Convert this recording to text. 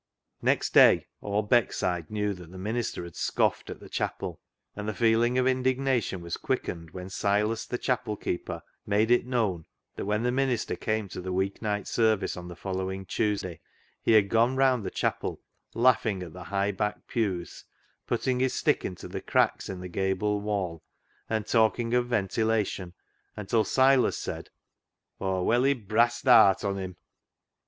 Next day all Beckside knew that the minister had scoffed at the chapel ; and the feeling of indignation was quickened when Silas, the chapel keeper, made it known that when the minister came to the week night service on the following Tuesday he had gone round the chapel laughing at the high backed pews, putting his stick into the cracks in the gable wall, and talking of ventilation until Silas said —" Aw welly brast aat on him."